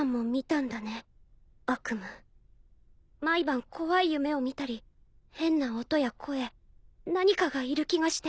毎晩怖い夢を見たり変な音や声何かがいる気がして。